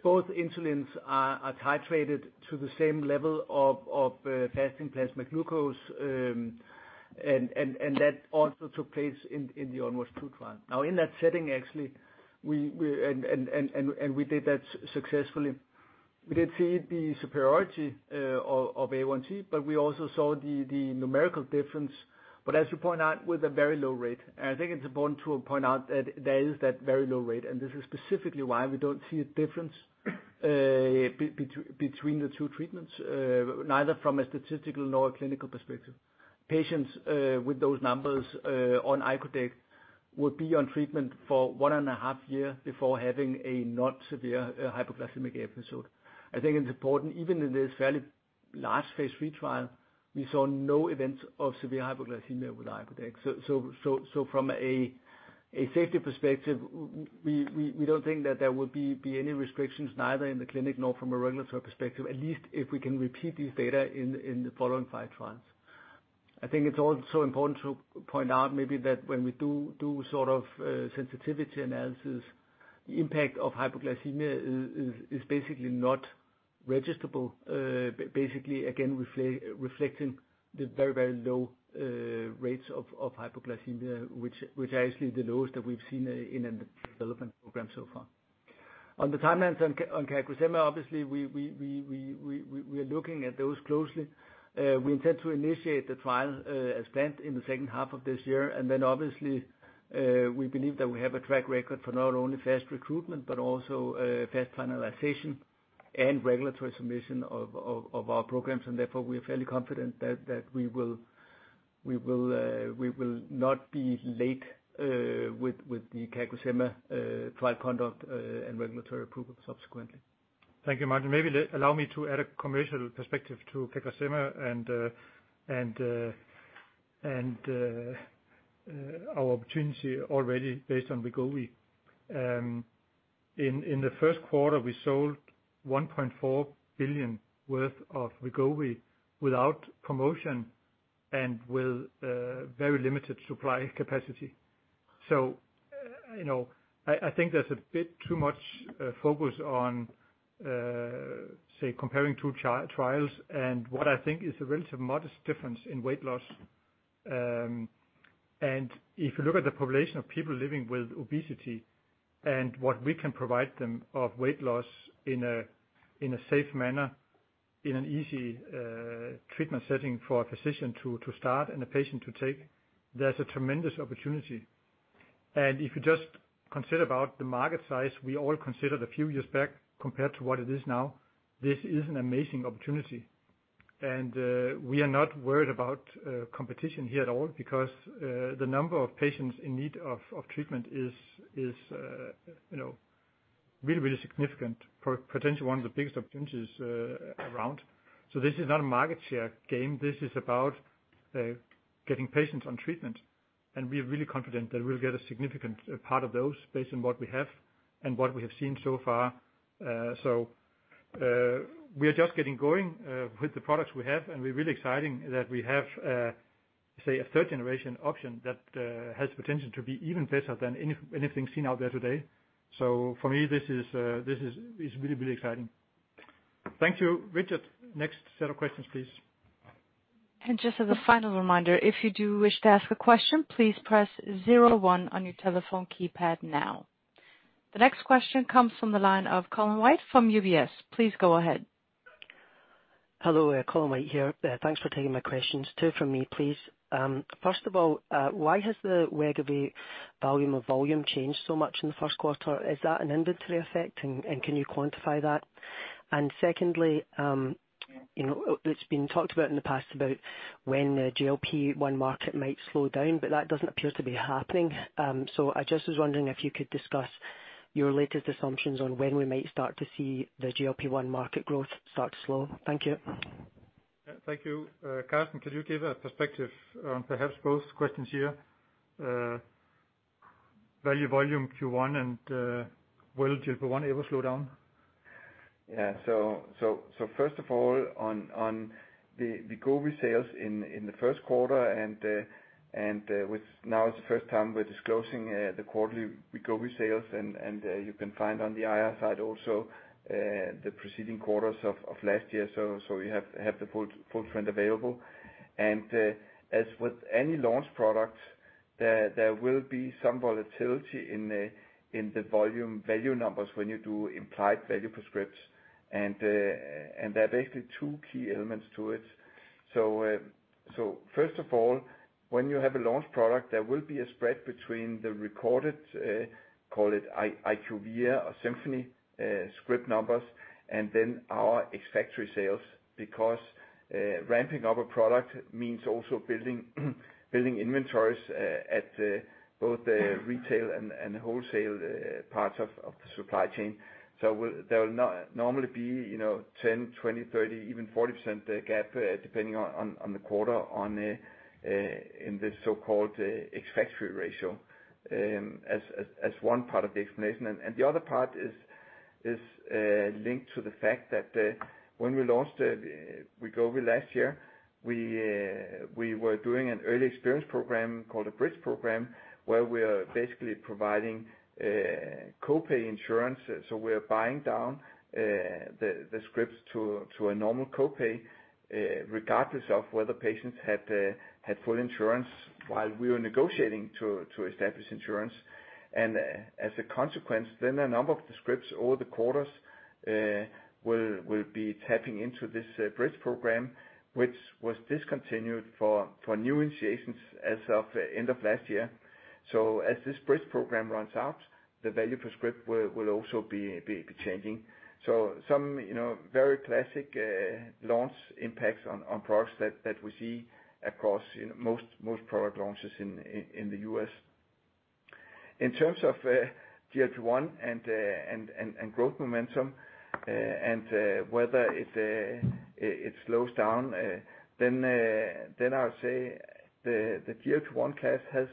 both insulins are titrated to the same level of fasting plasma glucose, and that also took place in the ONWARDS-2 trial. Now, in that setting, actually, we did that successfully. We did see the superiority of A1c, but we also saw the numerical difference, but as you point out, with a very low rate. I think it's important to point out that there is that very low rate, and this is specifically why we don't see a difference between the two treatments, neither from a statistical nor a clinical perspective. Patients with those numbers on icodec would be on treatment for one and a half years before having a non-severe hypoglycemic episode. I think it's important, even in this fairly large phase III trial, we saw no events of severe hypoglycemia with icodec. From a safety perspective, we don't think that there would be any restrictions, neither in the clinic nor from a regulatory perspective, at least if we can repeat this data in the following five trials. I think it's also important to point out maybe that when we do sort of sensitivity analysis, the impact of hypoglycemia is basically not material, basically again, reflecting the very low rates of hypoglycemia, which are actually the lowest that we've seen in a development program so far. On the timelines on CagriSema, obviously, we're looking at those closely. We intend to initiate the trial as planned in the second half of this year. Obviously, we believe that we have a track record for not only fast recruitment, but also fast finalization and regulatory submission of our programs, and therefore, we are fairly confident that we will not be late with the CagriSema trial conduct and regulatory approval subsequently. Thank you, Martin. Maybe allow me to add a commercial perspective to CagriSema and our opportunity already based on Wegovy. In the first quarter, we sold 1.4 billion worth of Wegovy without promotion and with very limited supply capacity. You know, I think there's a bit too much focus on say comparing two trials and what I think is a relatively modest difference in weight loss. If you look at the population of people living with obesity and what we can provide them of weight loss in a safe manner, in an easy treatment setting for a physician to start and a patient to take, there's a tremendous opportunity. If you just consider about the market size, we all considered a few years back compared to what it is now, this is an amazing opportunity. We are not worried about competition here at all because the number of patients in need of treatment is, you know, really significant. Potentially one of the biggest opportunities around. This is not a market share game. This is about getting patients on treatment, and we are really confident that we'll get a significant part of those based on what we have and what we have seen so far. We are just getting going with the products we have, and we're really excited that we have, say a third generation option that has potential to be even better than anything seen out there today. For me, this is really exciting. Thank you. Richard, next set of questions, please. Just as a final reminder, if you do wish to ask a question, please press zero one on your telephone keypad now. The next question comes from the line of Colin White from UBS. Please go ahead. Hello. Colin White here. Thanks for taking my questions. Two from me, please. First of all, why has the Wegovy volume changed so much in the first quarter? Is that an inventory effect, and can you quantify that? Secondly, you know, it's been talked about in the past about when the GLP-1 market might slow down, but that doesn't appear to be happening. I just was wondering if you could discuss your latest assumptions on when we might start to see the GLP-1 market growth start to slow. Thank you. Yeah. Thank you. Karsten, could you give a perspective on perhaps both questions here? Value volume Q1 and will GLP-1 ever slow down? First of all, on the Wegovy sales in the first quarter and now it's the first time we're disclosing the quarterly Wegovy sales, and you can find on the IR site also the preceding quarters of last year. You have the full trend available. As with any launch products, there will be some volatility in the volume value numbers when you do implied value prescriptions. There are basically two key elements to it. First of all, when you have a launch product, there will be a spread between the recorded, call it IQVIA or Symphony, script numbers and then our ex-factory sales. Because ramping up a product means also building inventories at both the retail and wholesale parts of the supply chain. There will normally be, you know, 10%-40% gap depending on the quarter in the so-called ex-factory ratio as one part of the explanation. The other part is linked to the fact that when we launched Wegovy last year, we were doing an early experience program called the BRIDGE Program, where we are basically providing copay insurance. We're buying down the scripts to a normal copay regardless of whether patients had full insurance while we were negotiating to establish insurance. As a consequence, then a number of the scripts over the quarters will be tapping into this BRIDGE Program, which was discontinued for new initiations as of end of last year. As this BRIDGE Program runs out, the value per script will also be changing. Some, you know, very classic launch impacts on products that we see across in most product launches in the U.S. In terms of GLP-1 and growth momentum and whether it slows down, then I'll say the GLP-1 class has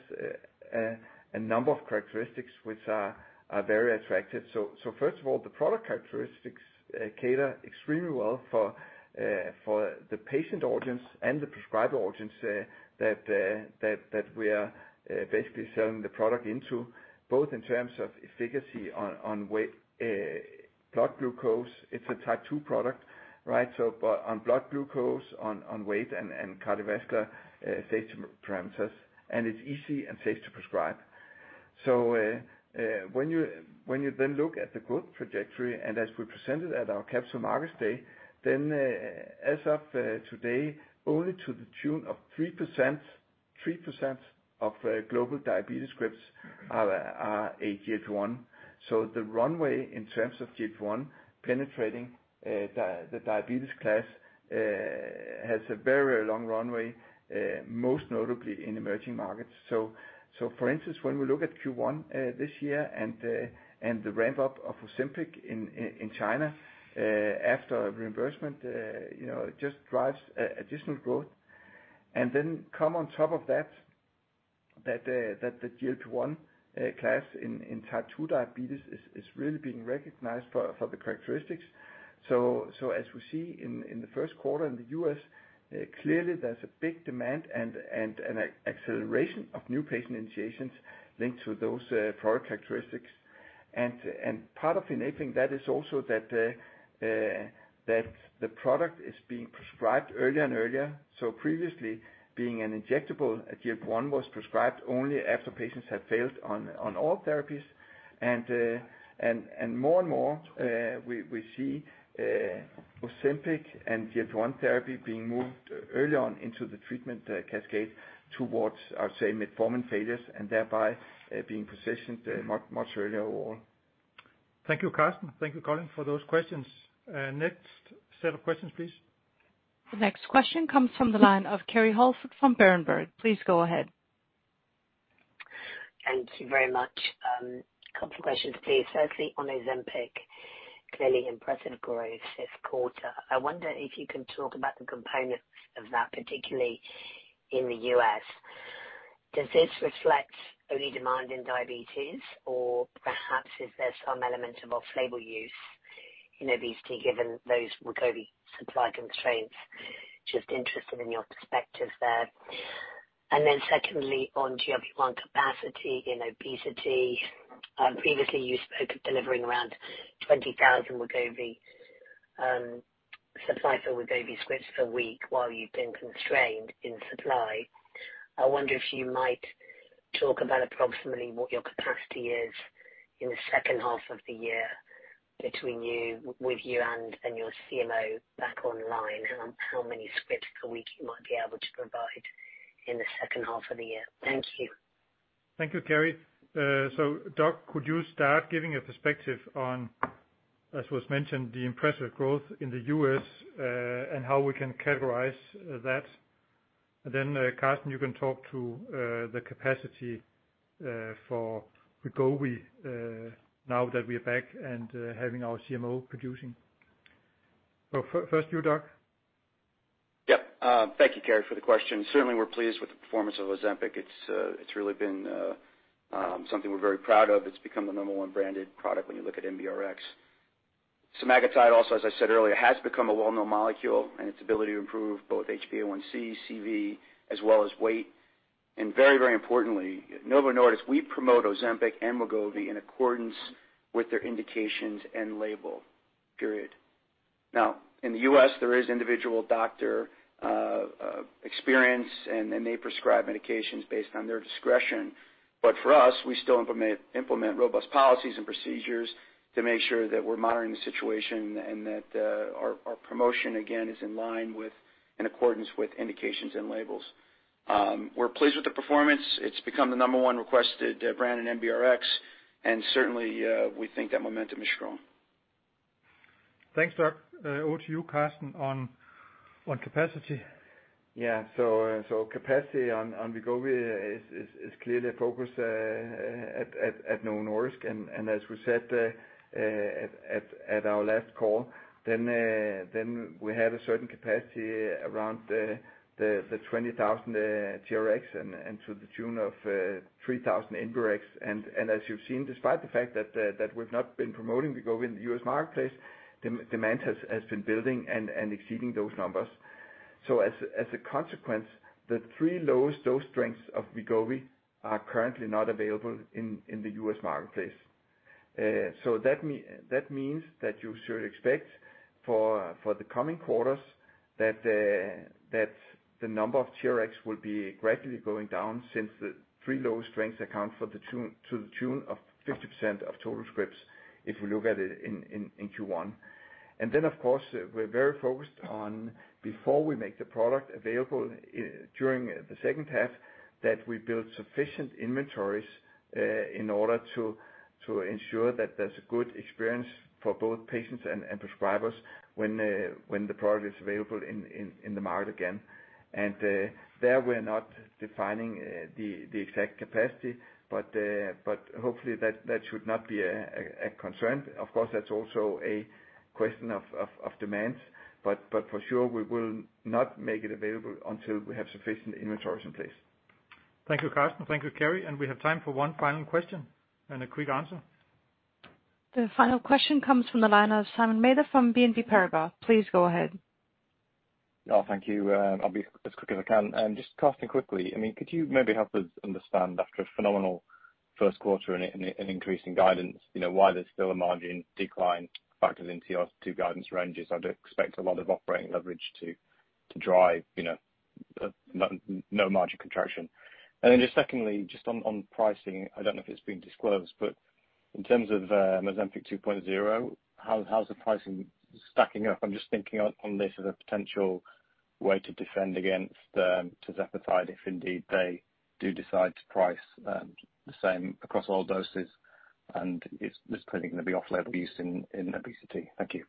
a number of characteristics which are very attractive. First of all, the product characteristics cater extremely well for the patient audience and the prescriber audience that we are basically selling the product into, both in terms of efficacy on blood glucose. It's a type two product, right? When you then look at the growth trajectory and as we presented at our Capital Markets Day, then as of today, only to the tune of 3% of global diabetes scripts are GLP-1. The runway in terms of GLP-1 penetrating the diabetes class has a very long runway, most notably in emerging markets. For instance, when we look at Q1 this year and the ramp-up of Ozempic in China after reimbursement, you know, it just drives additional growth. Then, on top of that, the GLP-1 class in type 2 diabetes is really being recognized for the characteristics. As we see in the first quarter in the U.S., clearly there's a big demand and an acceleration of new patient initiations linked to those product characteristics. Part of enabling that is also that the product is being prescribed earlier and earlier. Previously, being an injectable, GLP-1 was prescribed only after patients had failed on all therapies. More and more, we see Ozempic and GLP-1 therapy being moved early on into the treatment cascade towards, I would say, metformin failures, and thereby being positioned much, much earlier on. Thank you, Karsten. Thank you, Colin, for those questions. Next set of questions, please. The next question comes from the line of Kerry Holford from Berenberg. Please go ahead. Thank you very much. Couple questions, please. Firstly, on Ozempic, clearly impressive growth this quarter. I wonder if you can talk about the components of that, particularly in the U.S. Does this reflect only demand in diabetes, or perhaps is there some element of off-label use in obesity, given those Wegovy supply constraints? Just interested in your perspective there. Secondly, on GLP-1 capacity in obesity, previously you spoke of delivering around 20,000 Wegovy supply for Wegovy scripts per week while you've been constrained in supply. I wonder if you might talk about approximately what your capacity is in the second half of the year between you and your CMO back online, how many scripts per week you might be able to provide in the second half of the year. Thank you. Thank you, Kerry. Doug, could you start giving a perspective on, as was mentioned, the impressive growth in the US, and how we can categorize that? Karsten, you can talk to the capacity for Wegovy, now that we're back and having our CMO producing. First you, Doug. Yep. Thank you, Kerry, for the question. Certainly, we're pleased with the performance of Ozempic. It's really been something we're very proud of. It's become the number one branded product when you look at NBRx. Semaglutide also, as I said earlier, has become a well-known molecule in its ability to improve both HbA1c, CV, as well as weight. Very, very importantly, at Novo Nordisk, we promote Ozempic and Wegovy in accordance with their indications and label. Period. Now, in the U.S., there is individual doctor experience, and they prescribe medications based on their discretion. For us, we still implement robust policies and procedures to make sure that we're monitoring the situation and that our promotion, again, is in line with indications and labels. We're pleased with the performance. It's become the number one requested brand in NBRx, and certainly we think that momentum is strong. Thanks, Doug. Over to you, Karsten, on capacity. Capacity on Wegovy is clearly a focus at Novo Nordisk. As we said at our last call, then we had a certain capacity around the 20,000 TRx and to the tune of 3,000 NBRx. As you've seen, despite the fact that we've not been promoting Wegovy in the U.S. marketplace, demand has been building and exceeding those numbers. As a consequence, the three lowest dose strengths of Wegovy are currently not available in the U.S. marketplace. That means that you should expect for the coming quarters that the number of TRx will be gradually going down since the three lowest strengths account for to the tune of 50% of total scripts if we look at it in Q1. Of course, we're very focused on before we make the product available during the second half, that we build sufficient inventories in order to ensure that there's a good experience for both patients and prescribers when the product is available in the market again. There we're not defining the exact capacity, but hopefully that should not be a concern. Of course, that's also a question of demand, but for sure, we will not make it available until we have sufficient inventories in place. Thank you, Karsten. Thank you, Kerry. We have time for one final question and a quick answer. The final question comes from the line of Simon Mather from BNP Paribas. Please go ahead. Oh, thank you. I'll be as quick as I can. Just Karsten, quickly, I mean, could you maybe help us understand after a phenomenal first quarter and increasing guidance, you know, why there's still a margin decline factored into your two guidance ranges? I'd expect a lot of operating leverage to drive, you know, no margin contraction. Then just secondly, just on pricing, I don't know if it's been disclosed, but in terms of Ozempic 2.0, how's the pricing stacking up? I'm just thinking on this as a potential way to defend against tirzepatide, if indeed they do decide to price the same across all doses, and it's just clearly gonna be off-label use in obesity. Thank you.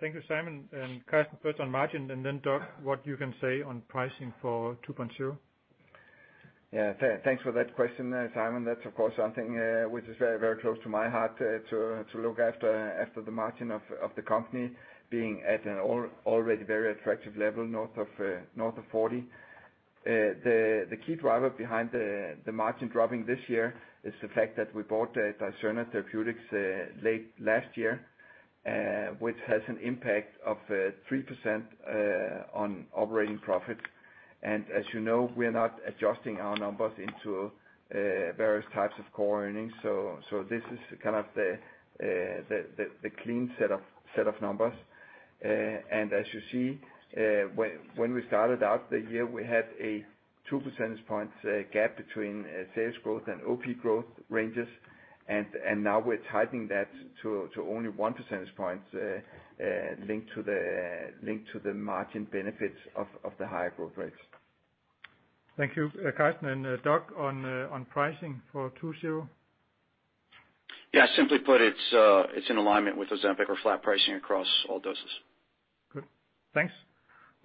Thank you, Simon. Karsten, first on margin, and then Doug, what you can say on pricing for 2.0. Thanks for that question there, Simon. That's of course something which is very close to my heart, to look after the margin of the company being at an already very attractive level, north of 40%. The key driver behind the margin dropping this year is the fact that we bought Dicerna Therapeutics late last year, which has an impact of 3% on operating profits. As you know, we're not adjusting our numbers into various types of core earnings, so this is kind of the clean set of numbers. As you see, when we started out the year, we had a 2 percentage points gap between sales growth and OP growth ranges. Now we're tightening that to only 1 percentage point linked to the margin benefits of the higher growth rates. Thank you, Karsten. Doug, on pricing for 2.0. Yeah. Simply put, it's in alignment with Ozempic. We're flat pricing across all doses. Good. Thanks.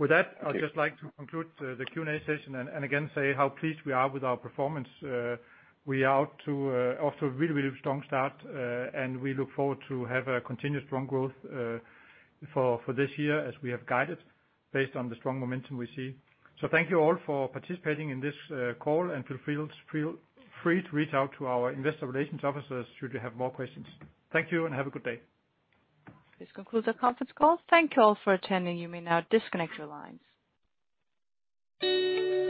With that, I'd just like to conclude the Q&A session and again say how pleased we are with our performance. We are off to a really strong start, and we look forward to have a continued strong growth for this year as we have guided based on the strong momentum we see. Thank you all for participating in this call, and feel free to reach out to our investor relations officers should you have more questions. Thank you and have a good day. This concludes our conference call. Thank you all for attending. You may now disconnect your lines.